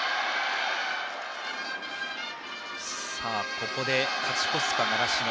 ここで勝ち越すか習志野。